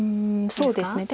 そうですね。